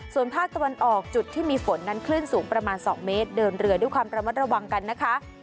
ส่วนภาคตะวันออกจุดที่มีฝนนั้นคลื่นสูงประมาณ๒เมตรเดินเรือด้วยความระมัดระวังกันนะคะ